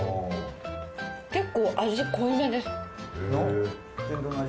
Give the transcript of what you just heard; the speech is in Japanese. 結構味濃いめです。